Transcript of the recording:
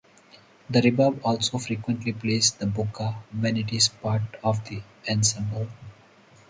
The rebab also frequently plays the buka when it is part of the ensemble.